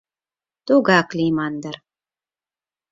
Тугак лийман дыр.